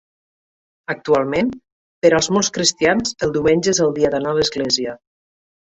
Actualment, per a molts cristians el diumenge és el dia d'anar a l'església.